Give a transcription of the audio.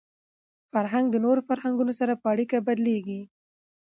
فرهنګ د نورو فرهنګونو سره په اړیکه کي بدلېږي.